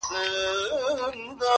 او په تصوير كي مي~